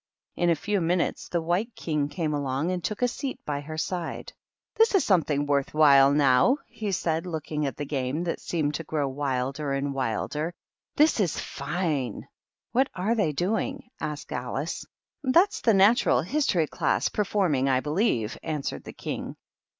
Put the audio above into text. In a few minutes the White King came along and took a seat by her side. THE KINDEEGARTEN. " This is something worth while, now !" he said, looking at the game, that seemed to grow wilder and wilder. " This is fine !"" What are they doing ?" asked Alice. " That's the Natural History Class performing, I believe," answered the King.